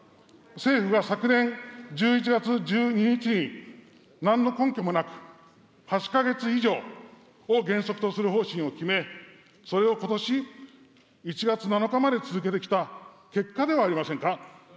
政府が昨年１１月１２日に、なんの根拠もなく、８か月以上を原則とする方針を決め、それをことし１月７日まで続けてきた結果ではありませんか。